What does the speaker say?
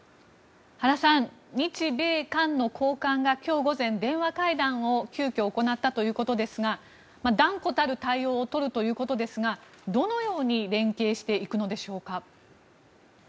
原さん、日米韓の高官が今日午前電話会談を急きょ行ったということですが断固たる対応を取るということですがどのように連携していくのでしょうか。